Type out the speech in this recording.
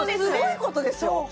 すごいことでしょ？